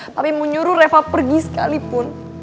papi mau nyuruh reva pergi sekalipun